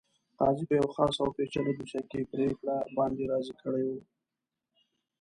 قاضي په یوه خاصه او پېچلې دوسیه کې په پرېکړه باندې راضي کړی وو.